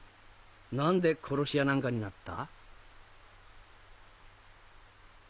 何で殺し屋なんかになった？